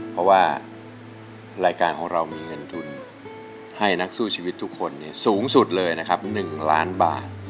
เพราะว่ารายการของเรามีเงินทุนให้นักสู้ชีวิตทุกคนสูงสุดเลยนะครับ๑ล้านบาท